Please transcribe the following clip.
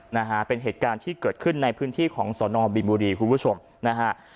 นะฮะเป็นเหตุการณ์ที่เกิดขึ้นในพื้นที่ของสอนอบินบุรีคุณผู้ชมนะฮะ